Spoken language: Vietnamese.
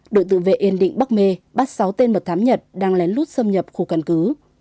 đội tự vệ yên định bắc mê bắt sáu tên mật thám nhật đang lén lút xâm nhập khu căn cứ